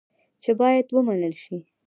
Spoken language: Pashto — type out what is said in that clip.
چې باید ومنل شي.